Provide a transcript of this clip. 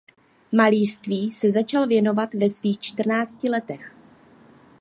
Malířství se začal věnovat ve svých čtrnácti letech.